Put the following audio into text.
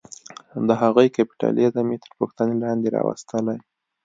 د هغوی کیپیټالیزم یې تر پوښتنې لاندې راوستلې.